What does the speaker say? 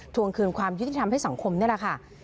วงคืนความยุติธรรมให้สังคมนี่แหละค่ะ